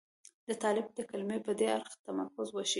د طالب د کلمې پر دې اړخ تمرکز وشي.